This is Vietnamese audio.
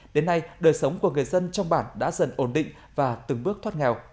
đến nay đời sống của người dân trong bản đã dần ổn định và từng bước thoát nghèo